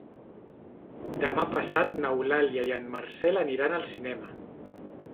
Demà passat n'Eulàlia i en Marcel aniran al cinema.